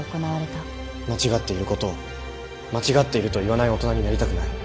間違っていることを間違っていると言わない大人になりたくない。